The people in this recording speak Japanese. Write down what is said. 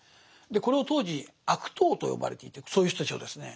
これを当時「悪党」と呼ばれていてそういう人たちをですね。